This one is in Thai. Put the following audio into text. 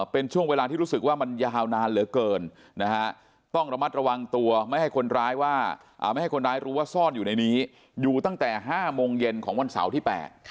เป็นช่วงเวลาที่รู้สึกว่ามันยาวนานเหลือเกินนะฮะต้องระมัดระวังตัวไม่ให้คนร้ายว่าไม่ให้คนร้ายรู้ว่าซ่อนอยู่ในนี้อยู่ตั้งแต่๕โมงเย็นของวันเสาร์ที่๘